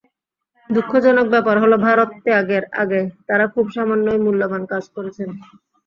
দুঃখজনক ব্যাপার হলো, ভারত ত্যাগের আগে তাঁরা খুব সামান্যই মূল্যবান কাজ করেছেন।